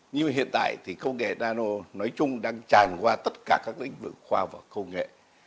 nhưng hiện tại thì công nghệ nano nói chung đang tràn qua tất cả các lĩnh vực khoa học và công nghệ